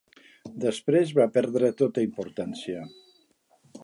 Després va perdre tota importància.